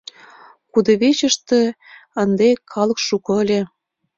Кудывечыште ынде калык шуко ыле.